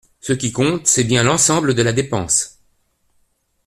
Ce qui compte, c’est bien l’ensemble de la dépense.